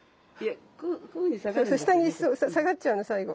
なにこれ⁉下に下がっちゃうの最後。